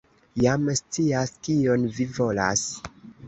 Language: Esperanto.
jam scias, kion vi volas!